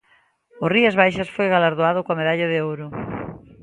O Rías Baixas foi galardoado coa medalla de ouro.